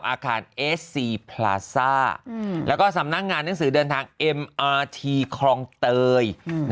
อาคารเอสซีพลาซ่าแล้วก็สำนักงานหนังสือเดินทางเอ็มอาชีคลองเตย